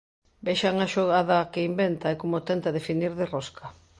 Vexan a xogada que inventa e como tenta definir de rosca.